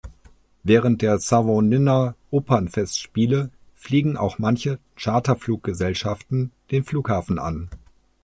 Während der Savonlinna-Opernfestspiele fliegen auch manche Charterfluggesellschaften den Flughafen an.